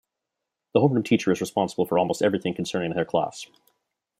The homeroom teacher is responsible for almost everything concerning their class.